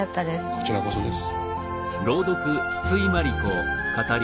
こちらこそです。